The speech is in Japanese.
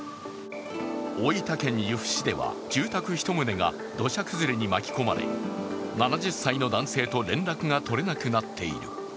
大分県由布市では住宅１棟が土砂崩れに巻き込まれ７０歳の男性と連絡がとれなくなっている。